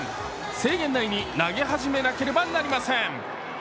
制限内に投げ始めなければなりません。